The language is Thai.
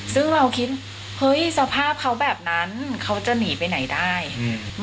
ซึ่งเราคิดเฮ้ยสภาพเขาแบบนั้นเขาจะหนีไปไหนได้อืม